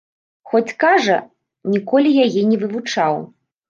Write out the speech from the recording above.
Хоць, кажа, ніколі яе не вывучаў.